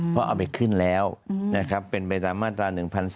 เพราะเอาไปขึ้นแล้วนะครับเป็นไปตามมาตรา๑๔